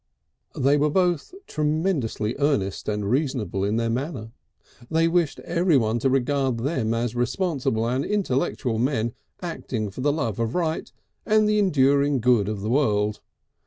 They were both tremendously earnest and reasonable in their manner. They wished everyone to regard them as responsible and intellectual men acting for the love of right and the enduring good of the world.